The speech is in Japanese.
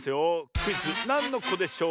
クイズ「なんのこでショー」